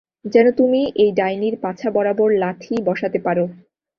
যেন তুমি এই ডাইনীর পাছা বরাবর লাথি বসাতে পারো।